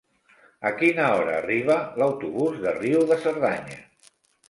A quina hora arriba l'autobús de Riu de Cerdanya?